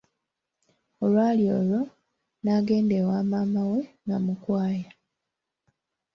Olwali olwo, n'agenda ewa maama we; Namukwaya.